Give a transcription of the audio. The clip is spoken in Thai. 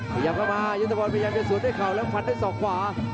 พยายามเข้ามายุทธพรพยายามจะสูดด้วยเข่าและพันด้วยส่องขวา